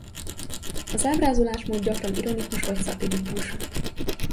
Az ábrázolásmód gyakran ironikus vagy szatirikus.